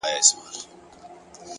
لوړ هدفونه لویې قربانۍ غواړي!